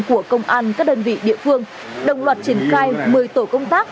của công an các đơn vị địa phương đồng loạt triển khai một mươi tổ công tác